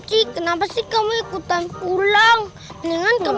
country kenapa sih kamu ikutan pulang jalan nomor mainan chama alixi kenapa